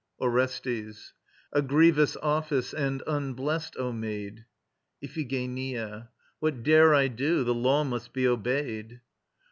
ORESTES. A grievous office and unblest, O maid. IPHIGENIA. What dare I do? The law must be obeyed.